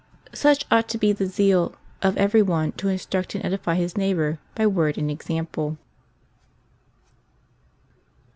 Such ought to be the zeal of every one to instruct and edify his neighbor by word and example.